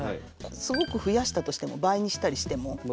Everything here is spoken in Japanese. すごく増やしたとしても倍にしたりしても。